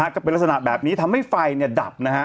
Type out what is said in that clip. ก็เป็นลักษณะแบบนี้ทำให้ไฟดับนะฮะ